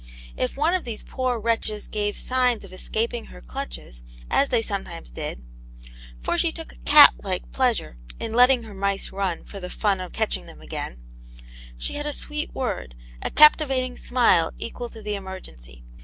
If one of these poor wretches gave signs of escaping her clutches, as they sometimes did (for she took a cat like pleasure in letting her m\c^ xww for the fun Aunt Jane's Hero. i\ of catching them again), she had a sweet word, a captivating smile equal to the emergency.